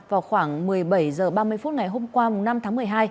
vào khoảng một mươi bảy h ba mươi phút ngày hôm qua năm tháng một mươi hai